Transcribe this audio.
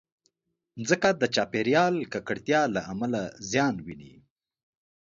مځکه د چاپېریالي ککړتیا له امله زیان ویني.